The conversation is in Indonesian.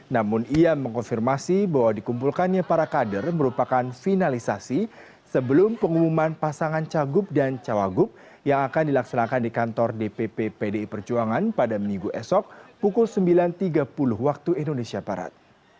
namun ia mengkonfirmasi bahwa dikumpulkannya para kader merupakan finalisasi sebelum pengumuman pasangan cagup dan cawagup yang akan dilaksanakan di kantor dpp pdi perjuangan pada minggu esok pukul sembilan tiga puluh waktu indonesia barat